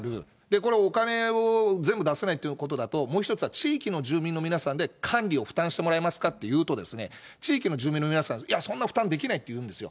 これ、お金を全部出せないということだと、もう一つは地域の住民の皆さんで管理を負担してもらえますかっていうと、地域の住民の皆さん、いや、そんな負担できないって言うんですよ。